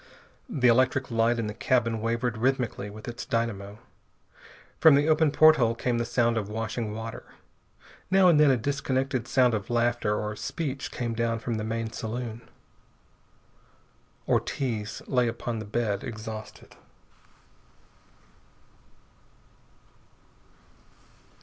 The electric light in the cabin wavered rhythmically with its dynamo. From the open porthole came the sound of washing water. Now and then a disconnected sound of laughter or of speech came down from the main saloon. Ortiz lay upon the bed, exhausted.